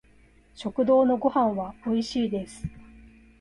食堂のご飯は美味しいです